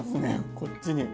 こっちに。